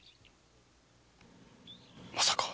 まさか！